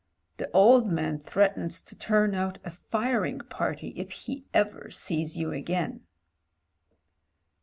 The old man threatens to turn out a firing party if he ever sees you again."